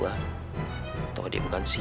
atau dia bukan sita